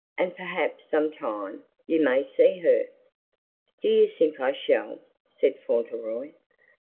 "And perhaps sometime you may see her." "Do you think I shall?" said Fauntleroy.